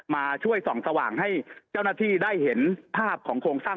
มาช่วยส่องสว่างให้เจ้าหน้าที่ได้เห็นภาพของโครงสร้าง